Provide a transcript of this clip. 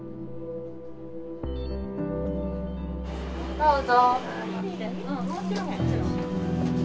どうぞ。